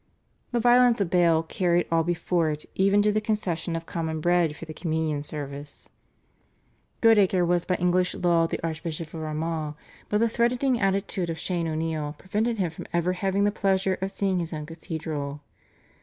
The violence of Bale carried all before it even to the concession of common bread for the Communion Service. Goodacre was by English law the Archbishop of Armagh, but the threatening attitude of Shane O'Neill prevented him from ever having the pleasure of seeing his own cathedral.